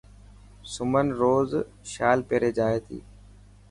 سمن روز شال پيري جائي تي.